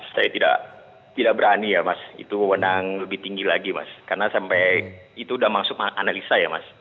saya tidak berani ya mas itu menang lebih tinggi lagi mas karena sampai itu sudah masuk analisa ya mas